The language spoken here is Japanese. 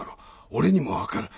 俺にも分かる。